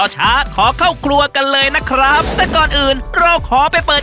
ช้าขอเข้าครัวกันเลยนะครับแต่ก่อนอื่นเราขอไปเปิด